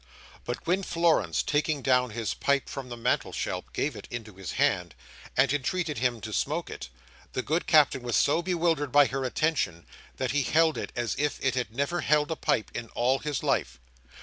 But when Florence, taking down his pipe from the mantel shelf gave it into his hand, and entreated him to smoke it, the good Captain was so bewildered by her attention that he held it as if he had never held a pipe, in all his life.